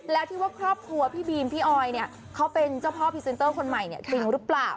แล้วที่ว่าครอบครัวพี่บีมพี่ออยเนี่ยเขาเป็นเจ้าพ่อพรีเซนเตอร์คนใหม่เนี่ยจริงหรือเปล่า